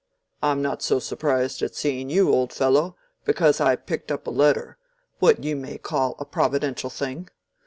I'm not so surprised at seeing you, old fellow, because I picked up a letter—what you may call a providential thing.